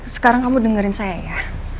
sekarang kamu dengerin saya ya